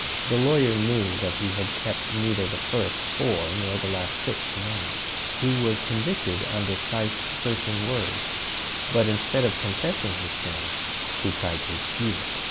The lawyer knew that he had kept neither the first four nor the last six commandments. He was convicted under Christ's searching words, but instead of confessing his sin, he tried to excuse it.